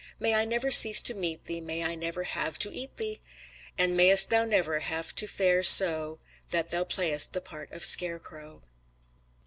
May I never cease to meet thee! May I never have to eat thee! And mayest thou never have to fare so That thou playest the part of scarecrow!